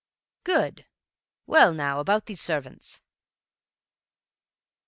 "Good. Well now, about these servants?"